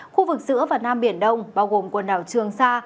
khu vực giữa và nam biển đông bao gồm quần đảo trường sa